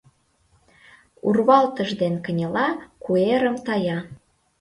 Урвалтыж ден кынела куэрым тая.